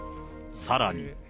さらに。